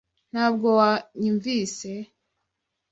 Ntabwo wanyumvise.